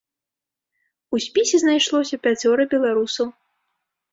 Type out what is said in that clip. У спісе знайшлося пяцёра беларусаў.